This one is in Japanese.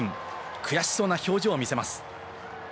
悔しそうな表情を見せます。